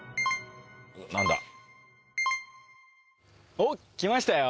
おっ来ましたよ。